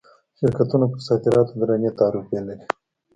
شرکتونه پر صادراتو درنې تعرفې لري.